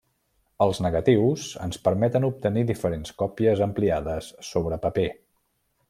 Els negatius ens permeten obtenir diferents còpies ampliades sobre paper.